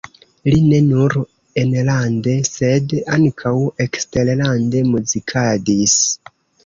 Li ne nur enlande, sed ankaŭ eksterlande muzikadis.